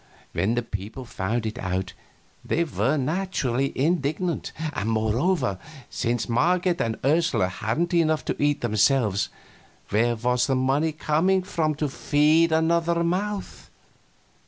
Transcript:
When the people found it out they were naturally indignant. And, moreover, since Marget and Ursula hadn't enough to eat themselves, where was the money coming from to feed another mouth?